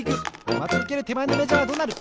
まちうけるてまえのメジャーはどうなる？